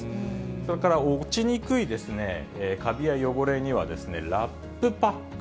それから、落ちにくいかびや汚れにはラップパック。